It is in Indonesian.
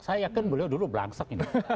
saya kan beliau dulu belangsak